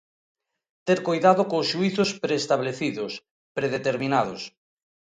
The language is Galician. Ter coidado cos xuízos preestablecidos, predeterminados.